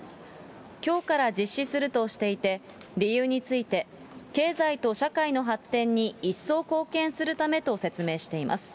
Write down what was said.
きょうから実施するとしていて、理由について、経済と社会の発展に一層貢献するためと説明しています。